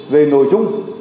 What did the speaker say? về nội dung